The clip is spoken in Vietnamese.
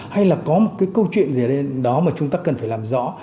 hay là có một cái câu chuyện gì đó mà chúng ta cần phải làm rõ